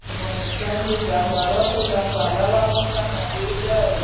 افغانستان د جواهرات له پلوه متنوع دی.